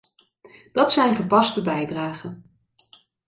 Dat zijn gepaste bijdragen.